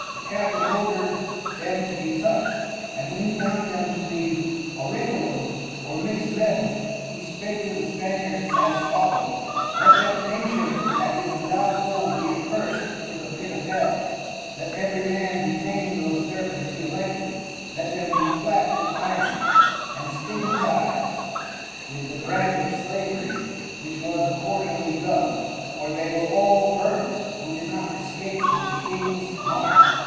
The Captain ordered them to be toucht, and when he found them to be Orichalcum or mixt Metal, he spake to the Spaniards as followeth. Let that Nation that is without Gold be accursed to the Pit of Hell. Let every Man detain those Servants he Elected, let them be clapt in Irons, and stigmatiz'd with the Brand of Slavery, which was accordingly done, for they were all burnt, who did no excape with the King's Mark.